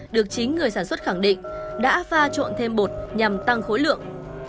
được chính người sản xuất khẳng định đã pha trộn thêm bột nhằm tăng khối lượng